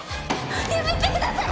やめてください！